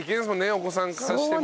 お子さんからしてもね。